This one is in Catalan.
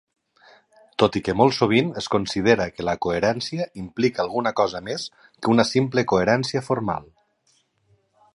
Tot i que molt sovint es considera que la coherència implica alguna cosa més que una simple coherència formal.